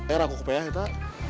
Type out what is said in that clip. ayo aku ke payah kita